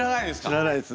知らないです。